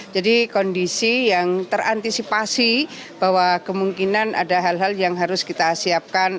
jadi kondisi yang terantisipasi bahwa kemungkinan ada hal hal yang harus kita siapkan